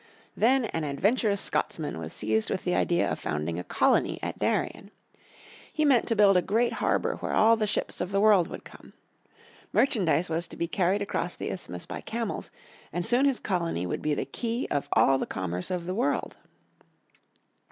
Then an adventurous Scotsman was seized with the idea of founding a colony at Darien. He meant to build a great harbour where all the ships of the world would come. Merchandise was to be carried across the isthmus by camels, and soon his colony would be the key of all the commerce of the world.